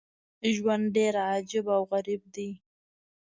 ژوند ډېر عجیب او غریب دی.